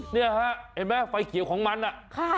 เนี่ยฮะเห็นไหมไฟเขียวของมันน่ะ